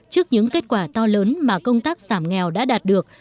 trước những kết quả to lớn mà công tác giảm nghèo đã đạt được